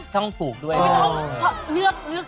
ชอบมาก